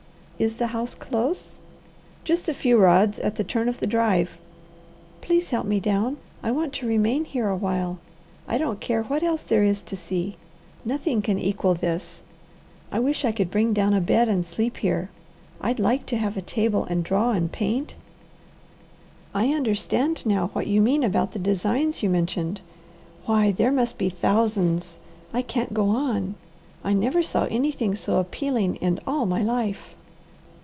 "Is the house close?" "Just a few rods, at the turn of the drive." "Please help me down. I want to remain here a while. I don't care what else there is to see. Nothing can equal this. I wish I could bring down a bed and sleep here. I'd like to have a table, and draw and paint. I understand now what you mean about the designs you mentioned. Why, there must be thousands! I can't go on. I never saw anything so appealing in all my life."